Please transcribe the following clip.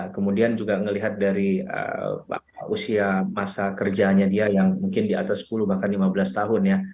kemudian juga melihat dari usia masa kerjanya dia yang mungkin di atas sepuluh bahkan lima belas tahun ya